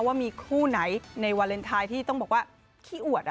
ว่ามีคู่ไหนในวาเลนไทยที่ต้องบอกว่าขี้อวด